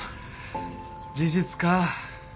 事実か。